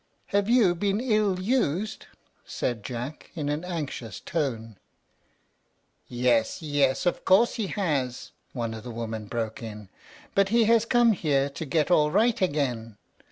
"Have you been ill used?" said Jack, in an anxious tone. "Yes, yes, of course he has," one of the women broke in; "but he has come here to get all right again.